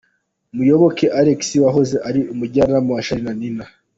Muyoboke Alex wahoze ari umujyanama wa Charly na Nina.